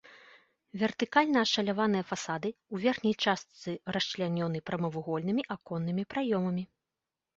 Вертыкальна ашаляваныя фасады ў верхняй частцы расчлянёны прамавугольнымі аконнымі праёмамі.